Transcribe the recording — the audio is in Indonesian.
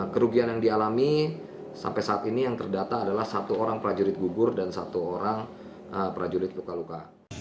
kerugian yang dialami sampai saat ini yang terdata adalah satu orang prajurit gugur dan satu orang prajurit luka luka